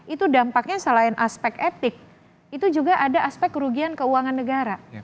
itu dampaknya selain aspek etik itu juga ada aspek kerugian keuangan negara